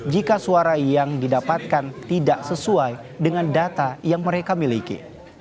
jika suara yang didapatkan tidak sesuai dengan data yang mereka miliki